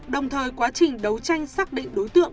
đồng thời quá trình đấu tranh xác định đối tượng